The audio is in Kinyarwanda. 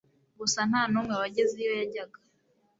Gusa nta n'umwe wageze iyo yajyaga.